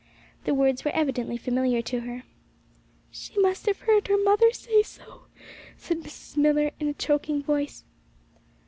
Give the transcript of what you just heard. The words were evidently familiar to her. 'She must have heard her mother say so,' said Mrs. Millar, in a choking voice.